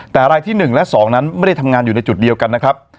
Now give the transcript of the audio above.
แต่รายที่๑และ๒นั้นไม่ได้ทำงานอยู่ในจุดเดียวกันนะครับ